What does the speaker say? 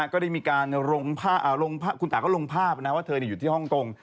ก็ได้มีการลงคุณตาก็ลงภาพนะว่าเธออยู่ที่ฮ่องกง